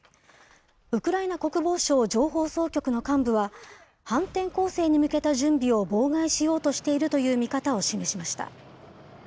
ウクライナ国防省情報総局の幹部は、反転攻勢に向けた準備を妨害しようとしているという見方を示しました。